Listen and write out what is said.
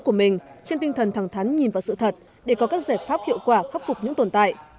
của mình trên tinh thần thẳng thắn nhìn vào sự thật để có các giải pháp hiệu quả khắc phục những tồn tại